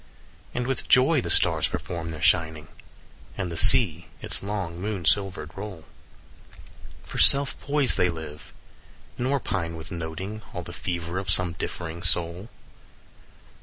20 "And with joy the stars perform their shining, And the sea its long moon silver'd roll; For self poised they live, nor pine with noting All the fever of some differing soul.